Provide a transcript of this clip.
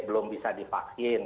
belum bisa divaksin